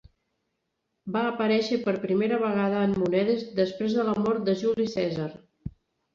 Va aparèixer per primera vegada en monedes després de la mort de Juli Cèsar.